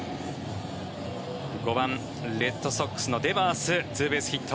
５番、レッドソックスのデバースツーベースヒット